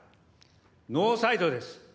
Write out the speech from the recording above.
ノーサイドです。